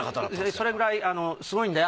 それくらいすごいんだよ。